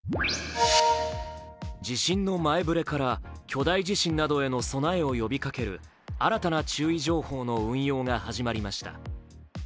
地震の前触れから巨大地震などへの備えを呼びかける新たな注意情報の運用が始まりました。